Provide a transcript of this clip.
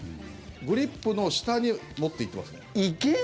グリップの下に持っていってますね。